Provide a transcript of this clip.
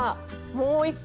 もう一個？